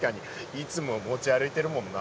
いつも持ち歩いてるもんな。